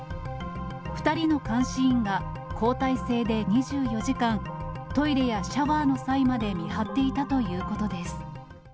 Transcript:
２人の監視員が交代制で２４時間、トイレやシャワーの際まで見張っていたということです。